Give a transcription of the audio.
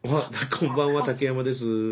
こんばんは竹山です。